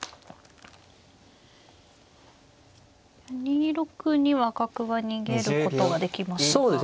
２六には角は逃げることができますが。